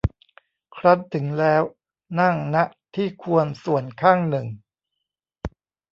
ครั้นถึงแล้ว นั่ง ณ ที่ควรส่วนข้างหนึ่ง